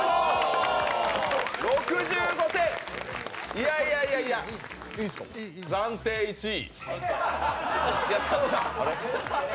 いやいやいやいや、暫定１位。